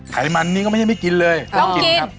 ไขมันนี่ก็ไม่ใช่ไม่กินเลยต้องกินครับ